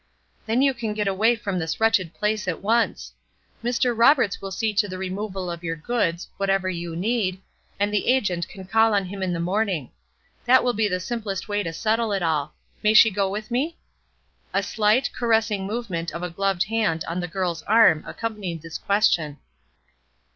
"Then you can get away from this wretched place at once. Mr. Roberts will see to the removal of your goods, whatever you need, and the agent can call on him in the morning. That will be the simplest way to settle it all. May she go with me?" A slight, caressing movement of a gloved hand on the girl's arm accompanied this question.